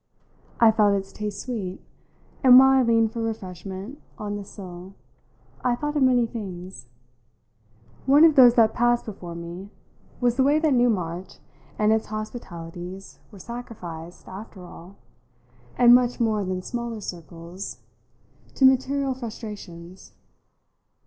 I felt its taste sweet, and while I leaned for refreshment on the sill I thought of many things. One of those that passed before me was the way that Newmarch and its hospitalities were sacrificed, after all, and much more than smaller circles, to material frustrations.